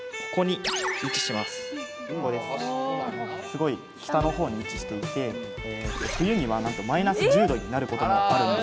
すごい北の方に位置していて冬にはなんとマイナス１０℃になることもあるんです。